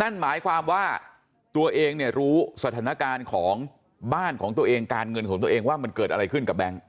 นั่นหมายความว่าตัวเองเนี่ยรู้สถานการณ์ของบ้านของตัวเองการเงินของตัวเองว่ามันเกิดอะไรขึ้นกับแบงค์